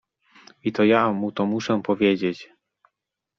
I to ja mu to muszę powiedzieć.